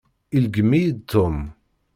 Ileggem-iyi-d Tom.